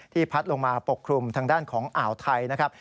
พัดลงมาปกคลุมทางด้านของอ่าวไทยนะครับ